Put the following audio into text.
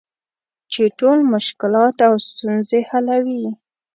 چې ټول مشکلات او ستونزې حلوي .